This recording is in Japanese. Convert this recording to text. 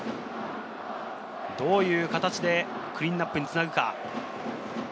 どういう形でクリーンナップにつなぐか？